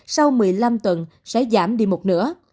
sau một mươi năm tuần sẽ giảm đi một nửa